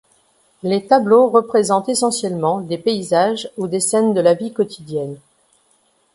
Les tableaux représentent essentiellement des paysages ou des scènes de la vie quotidienne.